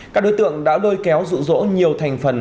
các đối tượng đã lôi kéo rụ rỗ nhiều thành phần